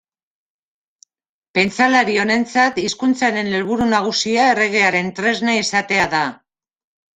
Pentsalari honentzat, hizkuntzaren helburu nagusia erregearen tresna izatea da.